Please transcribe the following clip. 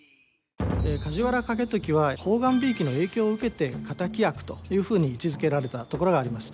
梶原景時は判官びいきの影響を受けて敵役というふうに位置づけられたところがあります。